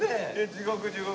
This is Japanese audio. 地獄地獄。